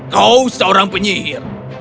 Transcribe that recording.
kau seorang penyihir